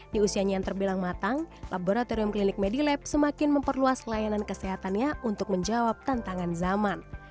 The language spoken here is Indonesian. di usianya yang terbilang matang laboratorium klinik medilab semakin memperluas layanan kesehatannya untuk menjawab tantangan zaman